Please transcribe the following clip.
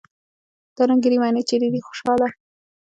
دا رنګينې معنی چېرې دي خوشحاله!